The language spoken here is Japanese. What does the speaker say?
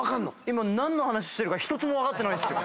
今何の話してるか１つも分かってないっすよ。